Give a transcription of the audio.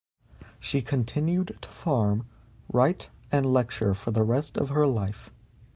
She continued to farm, write and lecture for the rest of her life.